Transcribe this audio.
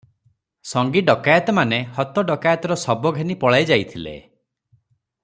ସଙ୍ଗୀ ଡକାଏତମାନେ ହତ ଡକାଏତର ଶବ ଘେନି ପଳାଇ ଯାଇଥିଲେ ।